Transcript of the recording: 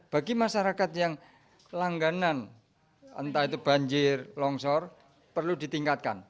bagi masyarakat yang langganan entah itu banjir longsor perlu ditingkatkan